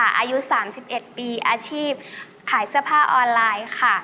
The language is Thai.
อายุ๓๑ปีอาชีพขายเสื้อผ้าออนไลน์ค่ะ